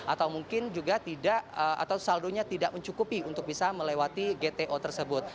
atau mungkin juga tidak atau saldonya tidak mencukupi untuk bisa melewati gto tersebut